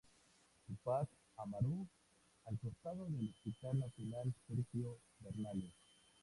Túpac Amaru al costado del hospital Nacional Sergio Bernales.